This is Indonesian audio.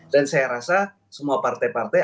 dan saya rasa semua partai partai